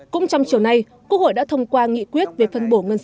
cũng trong chiều nay quốc hội đã thông qua nghị quyết về phương án phân bổ ngân cư